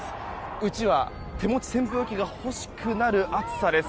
うちわ、手持ち扇風機が欲しくなる暑さです。